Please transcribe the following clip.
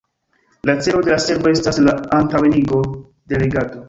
La celo de la servo estas la antaŭenigo de legado.